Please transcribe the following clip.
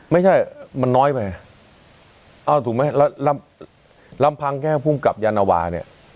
ไม่ใช่มันน้อยไปเอาถูกไหมแล้วลำพังแค่ภูมิกับยานวาเนี่ย